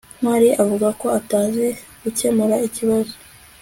ntwali avuga ko atazi gukemura ikibazo